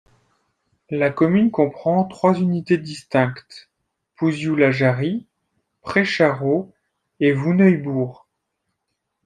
La commune comprend trois unités distinctes, Pouzioux-la-Jarrie, Précharaux et Vouneuil-Bourg.